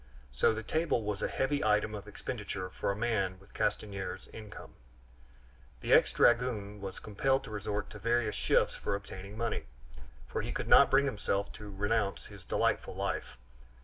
So the table was a heavy item of expenditure for a man with Castanier's income. The ex dragoon was compelled to resort to various shifts for obtaining money, for he could not bring himself to renounce this delightful life.